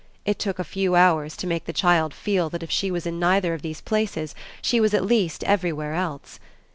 It took few hours to make the child feel that if she was in neither of these places she was at least everywhere else.